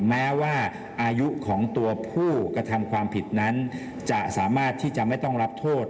แม้ว่าอายุของตัวผู้กระทำความผิดนั้นจะสามารถที่จะไม่ต้องรับโทษ